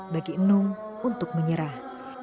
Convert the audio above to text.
bagi enum untuk menyerah